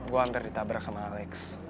gue hampir ditabrak sama alex